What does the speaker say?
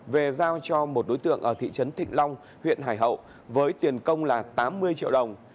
về giao cho một đối tượng ở thị trấn thịnh long huyện hải hậu với tiền công là tám mươi triệu đồng